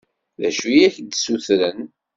D acu i ak-d-ssutren?